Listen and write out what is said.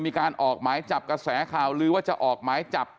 มีการออกหมายจับกระแสข่าวลือว่าจะออกหมายจับ